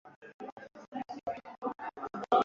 Pochi ya biashara.